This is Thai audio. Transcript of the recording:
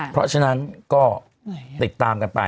เพราะฉะนั้นก็ติดตามกันไป